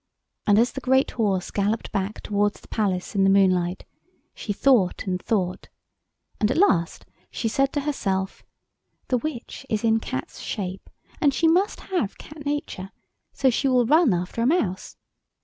And as the great horse galloped back towards the palace in the moonlight, she thought and thought, and at last she said to herself— "The witch is in cat's shape, and she must have cat nature, so she will run after a mouse.